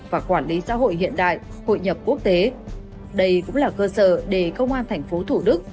và quản lý xã hội hiện đại hội nhập quốc tế đây cũng là cơ sở để công an thành phố thủ đức